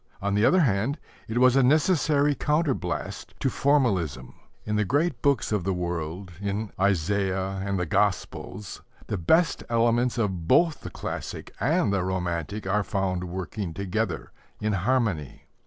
On the other hand, it was a necessary counterblast to formalism. In the great books of the world, in Isaiah and the Gospels, the best elements of both the classic and the romantic are found working together in harmony.